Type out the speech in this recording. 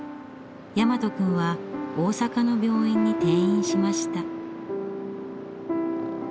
大和君は大阪の病院に転院しました。